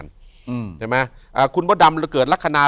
อยู่ที่แม่ศรีวิรัยิลครับ